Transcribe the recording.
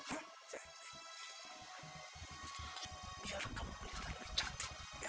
biar kamu kelihatan lebih cantik